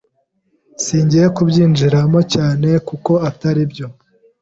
Singiye kubyinjiramo cyane kuko atari byo